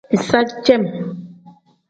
Iza cem.